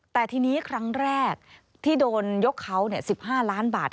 แต่ทีนี้ครั้งแรกที่โดนยกเขา๑๕ล้านบาท